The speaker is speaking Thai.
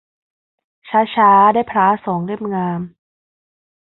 ช้าช้าได้พร้าสองเล่มงาม